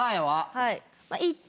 はい。